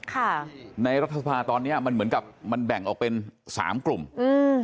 ค่ะในรัฐสภาตอนเนี้ยมันเหมือนกับมันแบ่งออกเป็นสามกลุ่มอืม